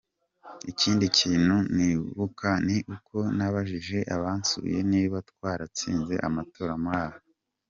Ikindi kintu nibuka ni uko nabajije abansuye niba twaratsinze amatora muri Arua.